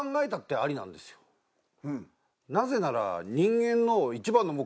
なぜなら。